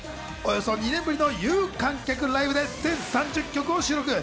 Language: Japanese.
およそ２年ぶりの有観客ライブで全３０曲を収録。